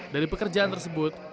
dari pekerjaan tersebut